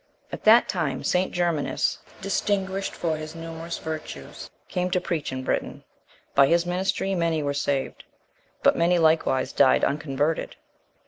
At that time St. Germanus, distinguished for his numerous virtues, came to preach in Britain: by his ministry many were saved; but many likewise died unconverted.